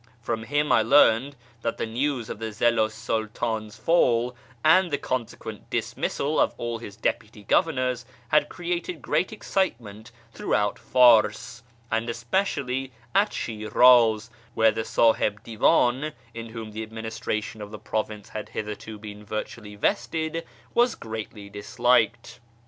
From him I learned that the news of the Zillu 's Sultan's fall, and the con sequent dismissal of all his deputy governors, had created great excitement throughout Pars, and especially at Shi'raz, where the Siihib Divan, in whom the administration of the province had hitherto been virtually vested, was greatly disliked.